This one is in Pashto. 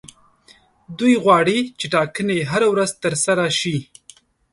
دوی غواړي چې ټاکنې هره ورځ ترسره شي.